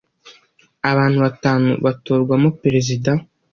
abantu batanu batorwamo perezida